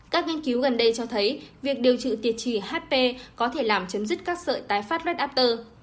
các nghiên cứu gần đây cho thấy việc điều trị tiệt trì hp có thể làm chấm dứt các sợi tái phát lết áp tơ